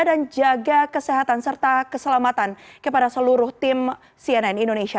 jaga kesehatan serta keselamatan kepada seluruh tim cnn indonesia